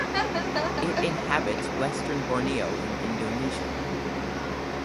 It inhabits western Borneo in Indonesia.